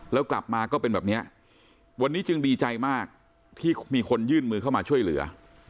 แล้วกลับมาก็เป็นแบบนี้วันนี้จึงดีใจมากที่มีคนยื่นมือเข้ามาช่วยเหลือ